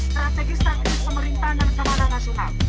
strategis strategis pemerintahan dan kemanah nasional